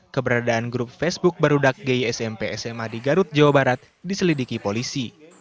keberadaan grup facebook barudak gay smp sma di garut jawa barat diselidiki polisi